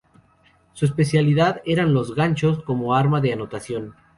Su especialidad eran los "ganchos" como arma de anotación.